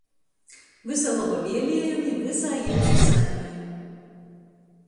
Vysa loba vieliejumi vysai jiusu saimei!